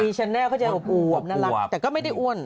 มีชันแนวจะอบอวบนัรับแต่ก็ไม่ได้อ้วน